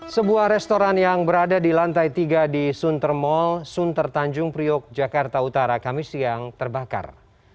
sebuah restoran yang berada di lantai tiga di sunter mall sunter tanjung priok jakarta utara kami siang terbakar